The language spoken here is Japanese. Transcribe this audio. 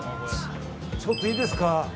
ちょっといいですか？